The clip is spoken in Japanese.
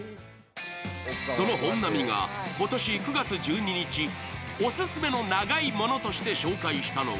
その本並が今年９月１２日、オススメの長いものとして紹介したのが